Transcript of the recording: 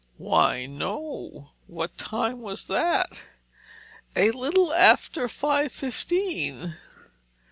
"Why, no. What time was that?" "A little after five fifteen."